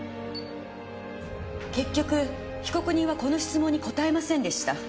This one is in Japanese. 結局被告人はこの質問に答えませんでした。